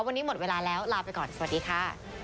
วันนี้หมดเวลาแล้วลาไปก่อนสวัสดีค่ะ